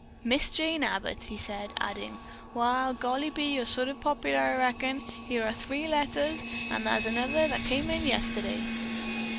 "Miss Jane Abbott," he said, adding, "Wall, golly be, you're sort o' popular, I reckon. Here are three letters an' thar's another that come in yesterday."